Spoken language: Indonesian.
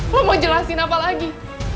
lo mau jelasin apa lagi